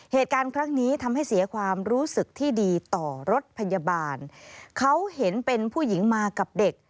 เหตุการณ์ครั้งนี้ทำให้เสียความรู้สึกที่ดีต่อรถพยาบาลเขาเห็นเป็นผู้หญิงมากับเด็ก